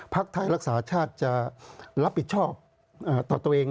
ไทยรักษาชาติจะรับผิดชอบต่อตัวเอง